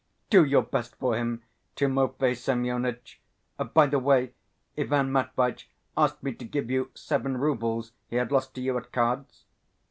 "Do your best for him, Timofey Semyonitch. By the way, Ivan Matveitch asked me to give you seven roubles he had lost to you at cards."